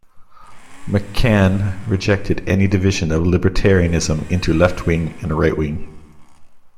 Machan rejected any division of libertarianism into "left wing" and "right wing".